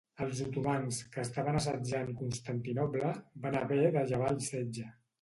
Els otomans, que estaven assetjant Constantinoble, van haver de llevar el setge.